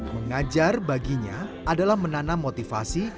mengajar baginya adalah menanam motivasi